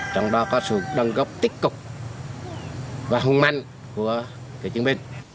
trong đó có sự đồng gốc tích cục và hùng mạnh của các chiến binh